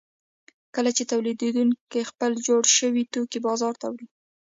کله چې تولیدونکي خپل جوړ شوي توکي بازار ته وړي